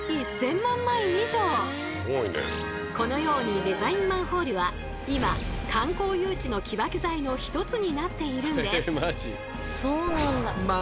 このようにデザインマンホールは今観光誘致の起爆剤の一つになっているんです。